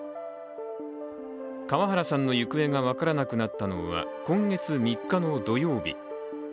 川原さんの行方が分からなくなったのは今月３日の土曜日。